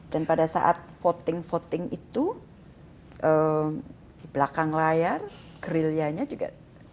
dan pada saat voting voting itu di belakang layar krillianya juga